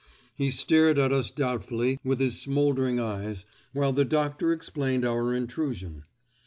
He stared at us doubtfully with his smouldering eyes while the Doctor explained our intrusion.